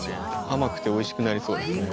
甘くて美味しくなりそうですね。